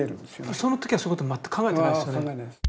その時はそういうこと全く考えてないですよね。